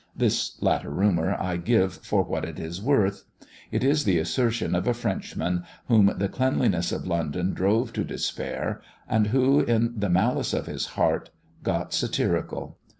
This latter rumour I give for what it is worth. It is the assertion of a Frenchman, whom the cleanliness of London drove to despair, and who, in the malice of his heart, got satirical.